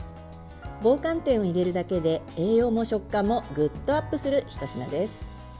棒寒天を入れるだけで栄養も食感もぐっとアップするひと品です。